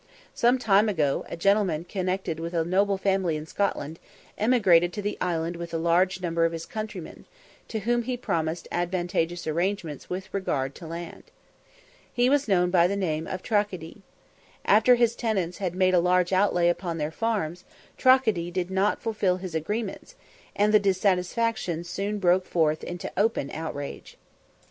Some time ago, a gentleman connected with a noble family in Scotland, emigrated to the island with a large number of his countrymen, to whom he promised advantageous arrangements with regard to land. He was known by the name of Tracadie. After his tenants had made a large outlay upon their farms, Tracadie did not fulfil his agreements, and the dissatisfaction soon broke forth into open outrage.